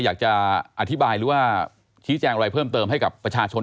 อยากจะอธิบายหรือว่าชี้แจงอะไรเพิ่มเติมให้กับประชาชน